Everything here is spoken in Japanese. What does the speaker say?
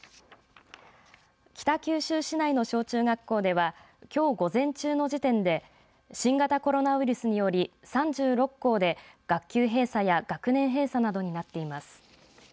北九州市内の小中学校ではきょう午前中の時点で新型コロナウイルスにより３６校で学級閉鎖や学年閉鎖などになっています。